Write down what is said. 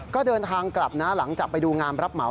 ก็เดินทางกลับนะหลังจากไปดูงามรับเหมา